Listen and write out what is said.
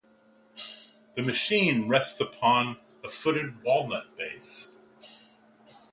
The machine rests upon a footed walnut base.